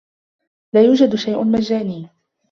لا يوجد شيء مجّاني.